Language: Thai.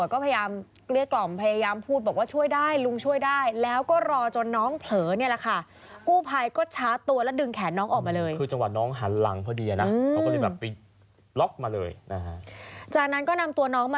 เขากรีดอย่างเดียวเลยแล้วก็ไล่บอกออกไป